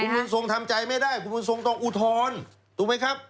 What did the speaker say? บุญทรงทำใจไม่ได้คุณบุญทรงต้องอุทธรณ์ถูกไหมครับ